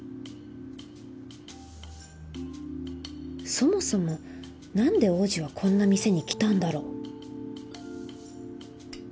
そもそもなんで王子はこんな店に来たんだろ？